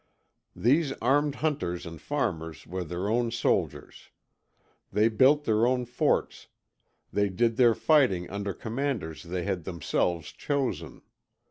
These armed hunters and farmers were their own soldiers. They built their own forts, they did their fighting under commanders they had themselves chosen.